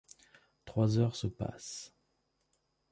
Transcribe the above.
Trois heures se passent.